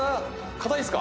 硬いですか？